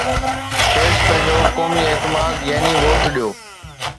کيس پنهنجو قومي اعتماد يعني ووٽ ڏيو